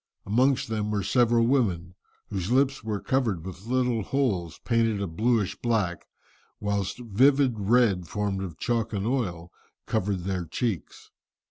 Amongst them were several women, whose lips were covered with little holes, painted a blueish black, whilst vivid red formed of chalk and oil, covered their cheeks.